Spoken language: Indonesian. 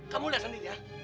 kamu lihat sendiri ya